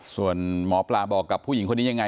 ส่วนหมอปลาบอกกับผู้หญิงคนนี้ยังไง